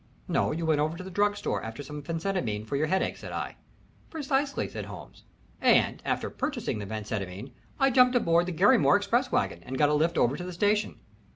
"No, you went over to the drug store after some phenacetine for your headache," said I. "Precisely," said Holmes, "and after purchasing the phenacetine I jumped aboard the Garrymore express wagon and got a lift over to the station.